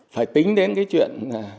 phải tính đến cái chuyện